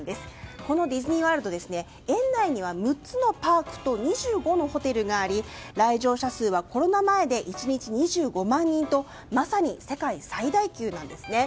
このディズニーワールド園内には６つのパークと２５のホテルがあり来場者数はコロナ前で１日２５万人とまさに世界最大級なんですね。